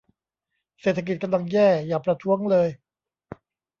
เศรษฐกิจกำลังแย่ อย่าประท้วงเลย